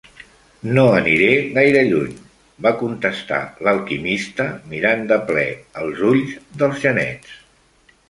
"No aniré gaire lluny" va contestar l'alquimista mirant de ple als ulls dels genets.